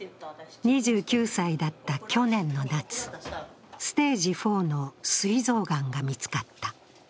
２９歳だった去年の夏、ステージ４のすい臓がんが見つかった。